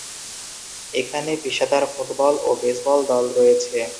এখানে পেশাদার ফুটবল ও বেসবল দল রয়েছে।